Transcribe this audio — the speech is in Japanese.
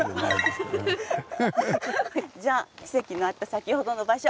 じゃキセキのあった先ほどの場所